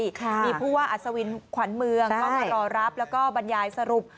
มีผู้ว่าอัศวินขวัญเมืองก็มารอรับแล้วก็บรรยายสรุป